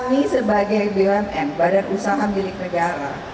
kami sebagai bumn badan usaha milik negara